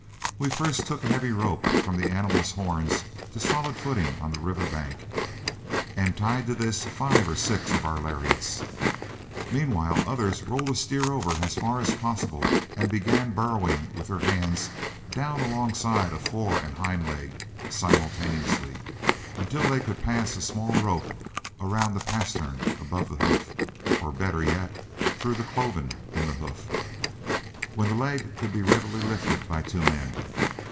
We first took a heavy rope from the animal's horns to solid footing on the river bank, and tied to this five or six of our lariats. Meanwhile others rolled a steer over as far as possible and began burrowing with their hands down alongside a fore and hind leg simultaneously until they could pass a small rope around the pastern above the cloof, or better yet through the cloven in the hoof, when the leg could be readily lifted by two men.